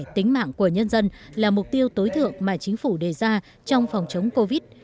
tính mạng của nhân dân là mục tiêu tối thượng mà chính phủ đề ra trong phòng chống covid